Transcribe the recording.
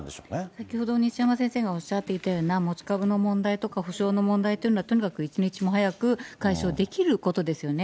先ほど、西山先生がおっしゃっていたような持ち株の問題とか、補償の問題っていうのは、とにかく一日も早く解消できることですよね。